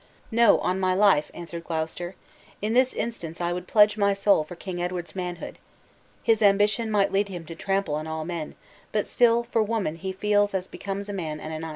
"No, on my life," answered Glouceseter; "in this instance I would pledge my soul for King Edward's manhood. His ambition might lead him to trample on all men; but still for woman he feels as becomes a man and a knight."